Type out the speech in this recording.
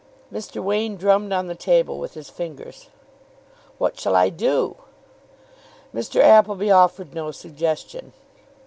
Mr. Wain drummed on the table with his fingers. "What shall I do?" Mr. Appleby offered no suggestion.